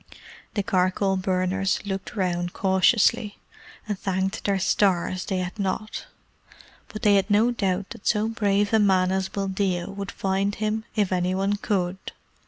The charcoal burners looked round cautiously, and thanked their stars they had not; but they had no doubt that so brave a man as Buldeo would find him if any one could.